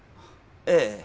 ええ。